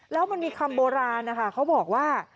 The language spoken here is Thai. แล้วมันมีคำโบราณนะคะเขาบอกว่า